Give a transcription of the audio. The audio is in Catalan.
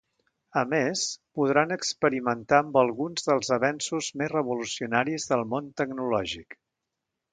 A més, podran experimentar amb alguns dels avenços més revolucionaris del món tecnològic.